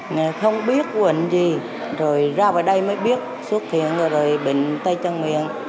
người không biết quần gì rồi ra vào đây mới biết xuất hiện người bệnh tay chân miệng